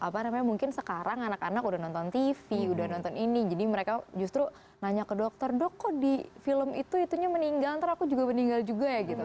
jadi itu mungkin sekarang anak anak udah nonton tv udah nonton ini jadi mereka justru nanya ke dokter dok kok di film itu itunya meninggal nanti aku juga meninggal juga ya gitu